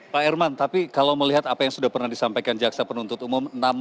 pak herman tapi kalau melihat apa yang sudah pernah disampaikan jaksa penuntut umum